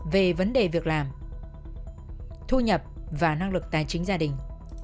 về vấn đề việc làm thu nhập và năng lực tài chính gia đình